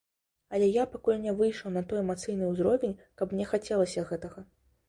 Але я пакуль не выйшаў на той эмацыйны ўзровень, каб мне хацелася гэтага.